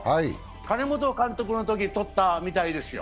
金本監督のとき取ったみたいですよ。